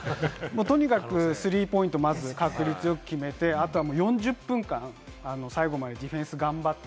とにかくスリーポイントを確率よく決めて、あと、４０分間ディフェンス最後まで頑張って。